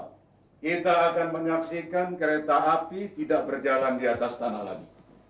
kita akan menyaksikan kereta api tidak berjalan di atas tanah lagi